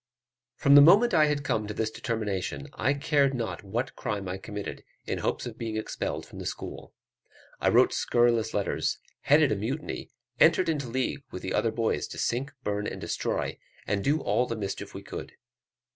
From the moment I had come to this determination, I cared not what crime I committed, in hopes of being expelled from the school. I wrote scurrilous letters, headed a mutiny, entered into a league with the other boys to sink, burn and destroy, and do all the mischief we could.